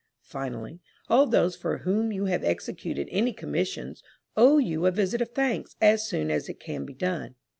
Finally, all those for whom you have executed any commissions, owe you a visit of thanks as soon as it can be done.